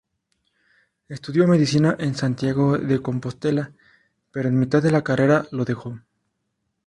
Estudió Medicina en Santiago de Compostela, pero en mitad de la carrera lo dejó.